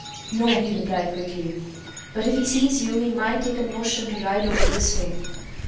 "No," he replied quickly. "But if he sees you, he might take a notion to ride over this way!"